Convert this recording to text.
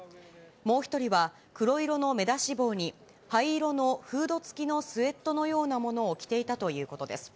もう１人は黒色の目出し帽に、灰色のフードつきのスエットのようなものを着ていたということです。